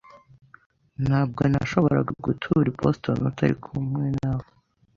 Ntabwo nashoboraga gutura i Boston utari kumwe nawe